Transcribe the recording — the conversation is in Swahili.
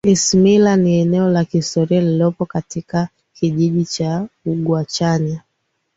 isimila ni eneo la kihistoria lililopo katika kijiji cha ugwachanya